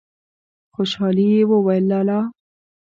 خوشالی يې وويل: لا لا!